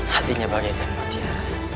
hatinya bahagia sama mati ya